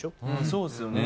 そうですよね。